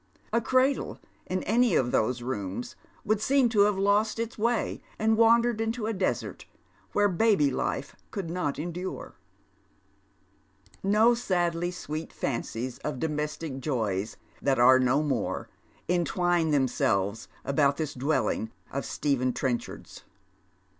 A cradle in any of those rooms would seein to have lost its way ninl wandered into a desert, where baby life could not endure. Is'o Badly sweet fancies of domestic joys that are no more entwine 7? Dead Merts Shoes. theinselveg about this dwelHnp: of Stephen Trencliard's.